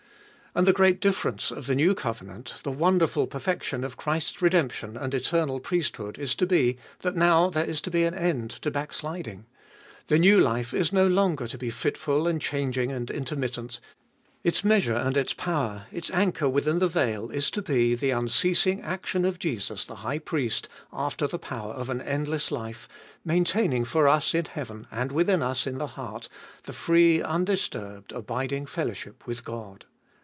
And the great difference of the new covenant, the wonderful perfection of Christ's redemption and eternal priest hood is to be, that now there is to be an end to backsliding. The new life is no longer to be fitful and changing and inter mittent ; its measure and its power, its anchor within the veil is to be — the unceasing action of Jesus the High Priest after the power of an endless life, maintaining for us in heaven, and within us in the heart, the free, undisturbed, abiding fellowship with God.